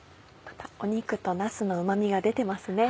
肉となすのうま味が出てますね。